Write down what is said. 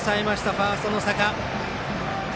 ファースト、能坂。